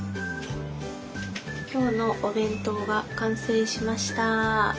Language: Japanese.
今日のお弁当が完成しました！